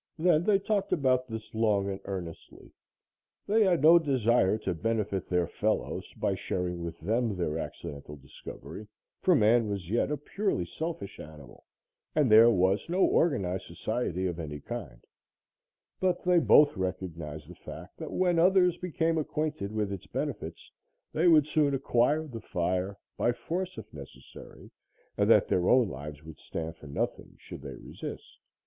Then they talked about this long and earnestly. They had no desire to benefit their fellows by sharing with them their accidental discovery, for man was yet a purely selfish animal, and there was no organized society of any kind; but they both recognized the fact that when others became acquainted with its benefits, they would soon acquire the fire, by force if necessary, and that their own lives would stand for nothing, should they resist.